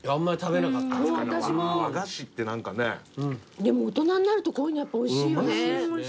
でも大人になるとこういうのやっぱおいしいよね。